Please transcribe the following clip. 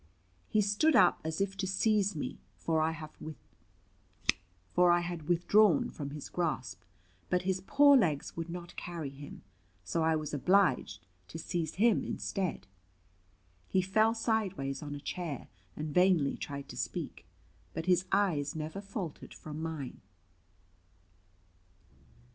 He stood up as if to seize me, for I had withdrawn from his grasp, but his poor legs would not carry him; so I was obliged to seize him instead. He fell sideways on a chair, and vainly tried to speak; but his eyes never faltered from mine.